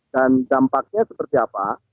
dan dampaknya seperti apa